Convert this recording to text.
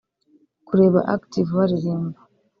Kureba Active baririmba